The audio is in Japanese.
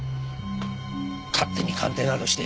勝手に鑑定などして。